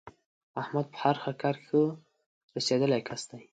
احمد په هر کار کې ښه رسېدلی کس دی.